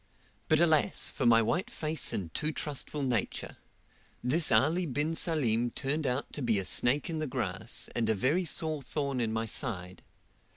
But, alas, for my white face and too trustful nature! this Ali bin Salim turned out to be a snake in the grass, a very sore thorn in my side.